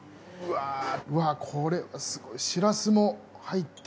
うわこれすごいシラスも入って。